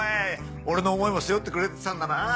俺の思いも背負ってくれてたんだなぁ。